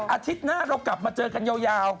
อาทิตย์หน้าเรากลับมาเจอกันยาว